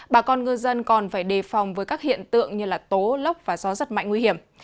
bà con ngư dân còn phải đề phòng với các hiện tượng như tố lốc và gió rất mạnh nguy hiểm